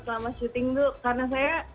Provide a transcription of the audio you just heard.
selama syuting tuh karena saya